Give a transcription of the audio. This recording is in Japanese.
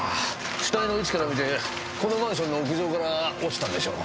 死体の位置から見てこのマンションの屋上から落ちたんでしょう。